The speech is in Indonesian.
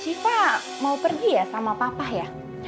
siva mau pergi ya sama papa ya